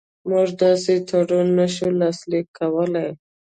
موږ داسې تړون نه شو لاسلیک کولای.